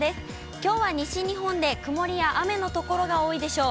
きょうは西日本で曇りや雨の所が多いでしょう。